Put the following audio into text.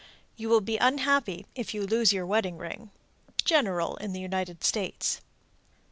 You will be unhappy if you lose your wedding ring. _General in the United States.